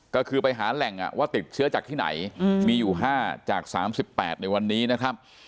ก็คือไปหาแหล่งว่าติดเชื้อจากที่ไหนมีอยู่๕จาก๓๘ในวันนี้นะครับ